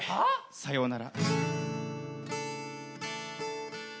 「さようなら」